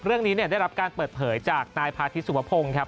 เรื่องนี้ได้รับการเปิดเผยจากนายพาธิสุวพงศ์ครับ